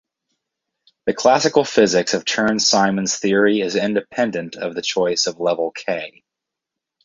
The classical physics of Chern-Simons theory is independent of the choice of level "k".